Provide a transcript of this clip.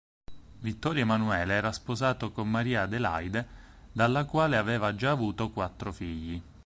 Vittorio Emanuele era sposato con Maria Adelaide dalla quale aveva già avuto quattro figli.